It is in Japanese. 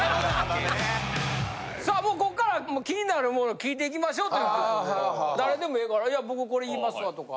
さあこっからは気になるもの聞いていきましょうという事で誰でもええから僕これ言いますわとか。